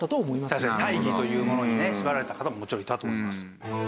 確かに大義というものにね縛られた方ももちろんいたと思います。